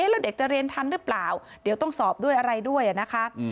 แล้วเด็กจะเรียนทันหรือเปล่าเดี๋ยวต้องสอบด้วยอะไรด้วยนะคะ